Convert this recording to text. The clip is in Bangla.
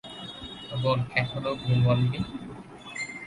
বোন, এখনো ঘুমাননি?